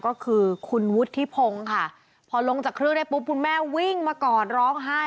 ก็คือคุณวุฒิพงศ์ค่ะพอลงจากเครื่องได้ปุ๊บคุณแม่วิ่งมากอดร้องไห้